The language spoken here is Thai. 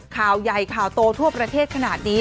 ข่าวใหญ่ข่าวโตทั่วประเทศขนาดนี้